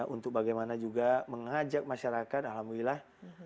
untuk bagaimana juga mengajak masyarakat alhamdulillah